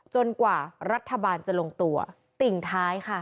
กว่ารัฐบาลจะลงตัวติ่งท้ายค่ะ